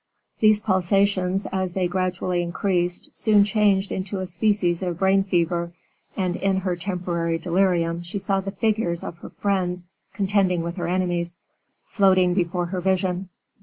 These pulsations, as they gradually increased, soon changed into a species of brain fever, and in her temporary delirium she saw the figures of her friends contending with her enemies, floating before her vision.